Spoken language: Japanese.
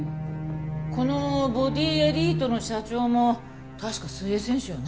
このボディエリートの社長も確か水泳選手よね？